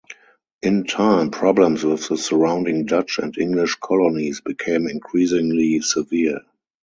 In time, problems with the surrounding Dutch and English colonies became increasingly severe.